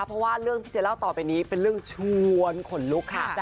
เพราะว่าเรื่องที่จะเล่าต่อไปนี้เป็นเรื่องชวนขนลุกค่ะ